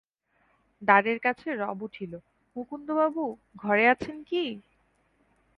দ্বারের কাছে রব উঠিল, মুকুন্দবাবু ঘরে আছেন কি?